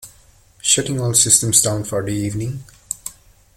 Shutting all systems down for the evening.